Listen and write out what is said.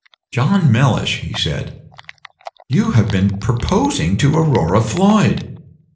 "John Mellish," he said, "you have been proposing to Aurora Floyd."